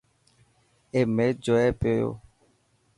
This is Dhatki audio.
اي ميچ جوئي پيو.